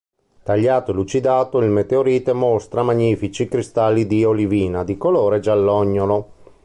Tagliato e lucidato, il meteorite mostra magnifici cristalli di olivina di colore giallognolo.